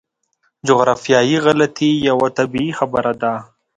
جغرافیایي غلطي یوه طبیعي خبره ده.